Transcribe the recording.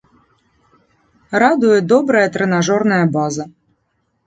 Радуе добрая трэнажорная база.